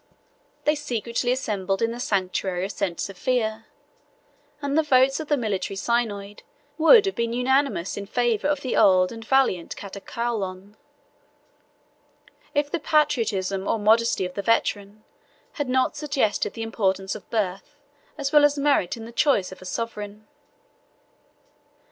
They secretly assembled in the sanctuary of St. Sophia, and the votes of the military synod would have been unanimous in favor of the old and valiant Catacalon, if the patriotism or modesty of the veteran had not suggested the importance of birth as well as merit in the choice of a sovereign.